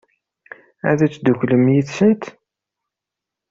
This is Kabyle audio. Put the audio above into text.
Ad tedduklem yid-sent?